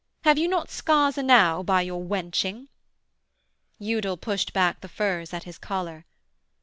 'Have you not scars enow by your wenching?' Udal pushed back the furs at his collar.